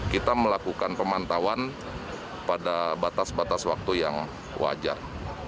kita melakukan pemantauan pada batas batas waktu yang wajar